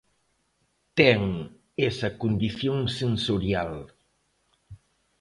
Ten esa condición sensorial.